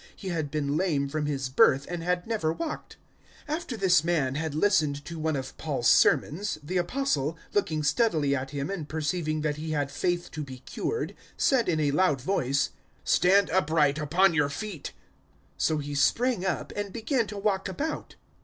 He had been lame from his birth and had never walked. 014:009 After this man had listened to one of Paul's sermons, the Apostle, looking steadily at him and perceiving that he had faith to be cured, 014:010 said in a loud voice, "Stand upright upon your feet!" 014:011 So he sprang up and began to walk about.